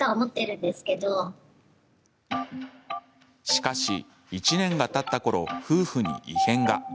しかし、１年がたったころ夫婦に異変が。